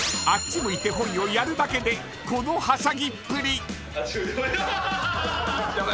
あっち向いてほいをやるだけでこの、はしゃぎっぷり。